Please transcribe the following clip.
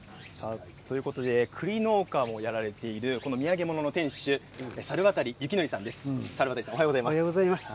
栗農家をやられている土産物の店主、猿渡幸憲さんです。